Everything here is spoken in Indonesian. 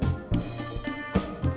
kamu mau jalan sama bang udin